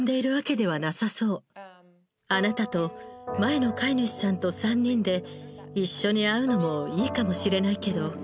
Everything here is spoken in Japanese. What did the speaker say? あなたと前の飼い主さんと３人で一緒に会うのもいいかもしれないけど。